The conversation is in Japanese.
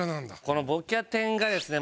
この『ボキャ天』がですね